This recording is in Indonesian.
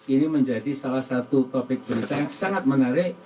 ini menjadi salah satu topik berita yang sangat menarik